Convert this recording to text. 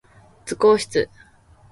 図工室